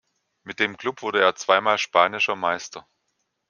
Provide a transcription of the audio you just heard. Mit dem Klub wurde er zweimal spanischer Meister.